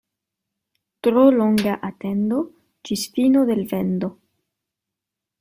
Tro longa atendo ĝis fino de l' vendo.